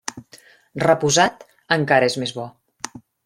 Reposat encara és més bo.